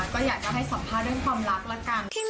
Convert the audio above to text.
ก็อยากจะให้สัมภาษณ์เรื่องความรักละกัน